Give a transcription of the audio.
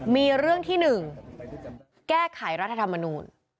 มีเรื่องที่๑แก้ไขรัฐธรรมนูล